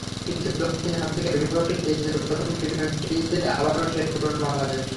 কিন্তু দক্ষিণ আফ্রিকার বিপক্ষে সিরিজের প্রথম টি-টোয়েন্টিতে আবারও সেই পুরোনো বাংলাদেশ।